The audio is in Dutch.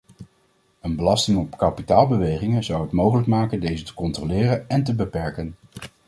Een belasting op kapitaalbewegingen zou het mogelijk maken deze te controleren en te beperken.